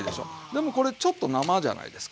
でもこれちょっと生じゃないですか。